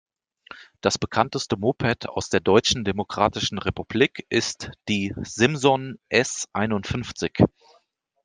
Das bekannteste Moped aus der Deutschen Demokratischen Republik ist die Simson S einundfünfzig.